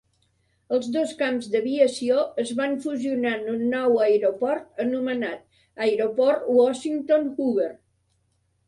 Els dos camps d'aviació es van fusionar en un nou aeroport anomenat Aeroport Washington-Hoover.